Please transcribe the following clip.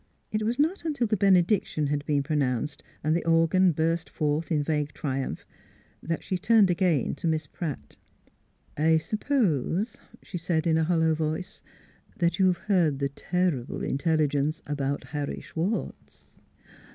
It was not until the benediction had been pronounced and the organ burst forth in vague triumph that she turned again to Miss Pratt. " I suppose," she said in a hollow voice, " that you've heard the ter rible intelligence about Har ry Schwartz?"